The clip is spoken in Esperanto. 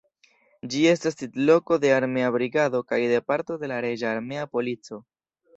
Ĝi estas sidloko de armea brigado kaj de parto de la reĝa armea polico.